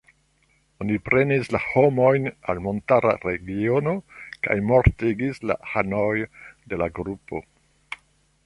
Oni prenis la homojn al montara regiono kaj mortigis la anojn de la grupo.